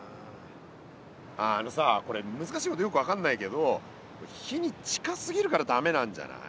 あのさこれ難しいことよく分かんないけど火に近すぎるから駄目なんじゃない？